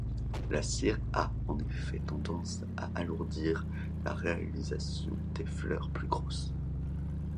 La cire a, en effet, tendance à alourdir la réalisation des fleurs plus grosses.